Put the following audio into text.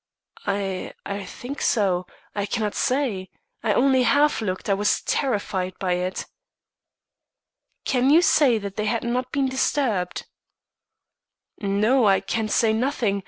"I I think so. I cannot say; I only half looked; I was terrified by it." "Can you say they had not been disturbed?" "No. I can say nothing.